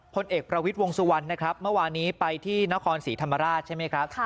พลเอกประวิทย์วงสุวรรณนะครับเมื่อวานี้ไปที่นครศรีธรรมราชใช่ไหมครับ